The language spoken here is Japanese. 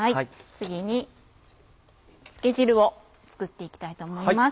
次につけ汁を作って行きたいと思います。